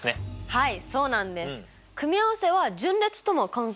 はい。